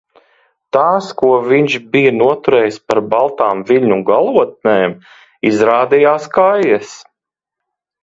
Tās, ko viņš bija noturējis par baltām viļņu galotnēm, izrādījās kaijas.